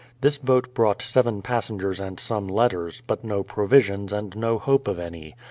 This boat brought seven passengers and some letters, but no provisions and no hope of any.